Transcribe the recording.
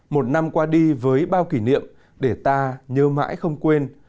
một năm qua đi với bao kỷ niệm để ta nhớ mãi không quên